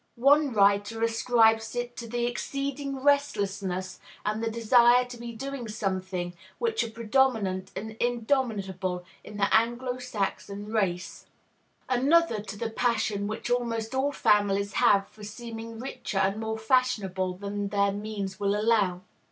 One writer ascribes it to the "exceeding restlessness and the desire to be doing something which are predominant and indomitable in the Anglo Saxon race;" another to the passion which almost all families have for seeming richer and more fashionable than their means will allow.